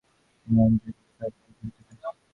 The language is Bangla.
তোমার ইন্দ্রিয়গুলির কাজ বন্ধ হইয়া যাইবে।